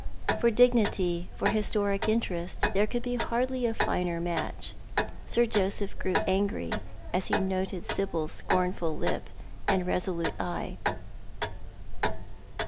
For dignity, for historic interest, there could hardly be a fiLner match. Sir Joseph grew angry as he noted Sibyl's scornful lip and resolute eye.